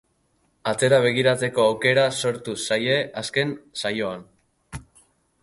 Atzera begiratzeko aukera sortu zaie azken saioan.